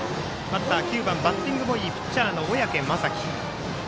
バッター９番バッティングもいいピッチャーの小宅雅己。